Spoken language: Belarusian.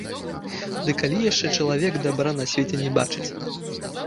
Ды калі яшчэ чалавек дабра на свеце не бачыць!